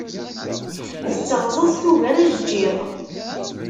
Tetteɣzaẓ tugar ajeǧǧiḍ.